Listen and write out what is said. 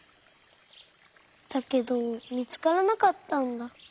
だけどみつからなかったんだ。